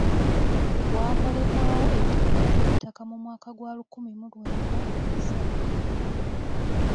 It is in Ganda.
Waakolebwawo etteeka ly'ettaka mu mwaka gwa lukumi mu lwenda esatu.